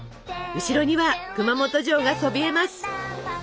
後ろには熊本城がそびえます！